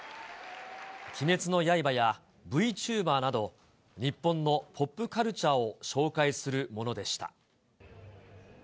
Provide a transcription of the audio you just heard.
鬼滅の刃やＶチューバーなど、日本のポップカルチャーを紹介するものでした。